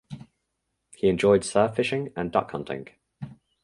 He enjoyed surf fishing and duck hunting.